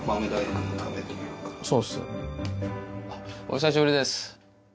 お久しぶりです。